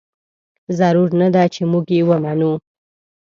ضرور نه ده چې موږ یې ومنو.